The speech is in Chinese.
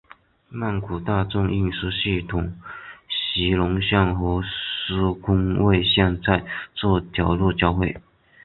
曼谷大众运输系统席隆线和苏坤蔚线在这条路交会。